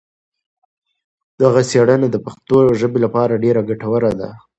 دغه څېړنه د پښتو ژبې لپاره ډېره ګټوره ده.